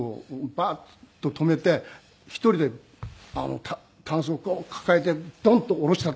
バッと止めて１人でたんすをこう抱えてドンと降ろしたって。